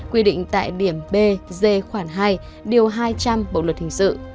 quy định tại các điểm b d khoảng hai điều hai trăm linh bộ luật hình sự